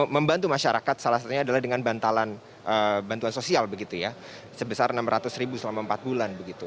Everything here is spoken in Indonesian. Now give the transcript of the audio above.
membantu masyarakat salah satunya adalah dengan bantalan bantuan sosial sebesar rp enam ratus ribu selama empat bulan begitu